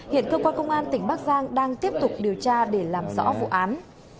hiện cơ quan công an tỉnh bắc giang đang tiếp tục điều tra để làm rõ vụ án